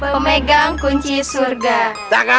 pemegang kunci surga